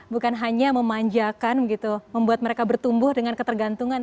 bukan hanya memanjakan gitu membuat mereka bertumbuh dengan ketergantungan